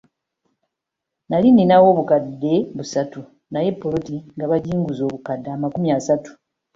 Nnali ninawo obukadde busatu naye ppoloti nga baginguza obukadde amakumi asatu.